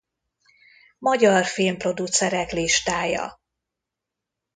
Magyar filmproducerek listája